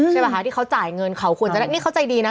ใช่ป่ะคะที่เขาจ่ายเงินเขาควรจะได้นี่เขาใจดีนะ